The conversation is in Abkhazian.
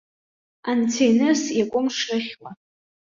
Анцәиныс иакәым шрыхьуа.